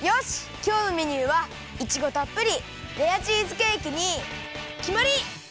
きょうのメニューはいちごたっぷりレアチーズケーキにきまり！